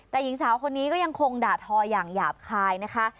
แต่หญิงสาวคนนี้ก็ยังคงด่าทออย่างหยาบคายนะคะ